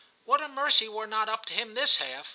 * What a mercy we're not up to him this half!'